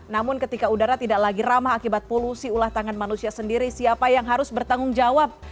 namun ketika udara tidak lagi ramah akibat polusi ulah tangan manusia sendiri siapa yang harus bertanggung jawab